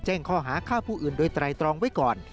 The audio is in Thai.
ข้อหาฆ่าผู้อื่นโดยไตรตรองไว้ก่อน